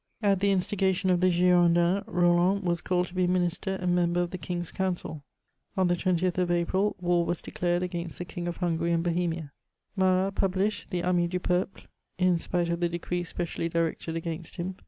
At the instigation of the Girondins, Roland was called to be minister and member of the king's council. On the 20th of ^pril, war was declared against the King of Himgary and Bohemia. Marat published the Ami du Peuplcy in spite of the decree specially directed against him.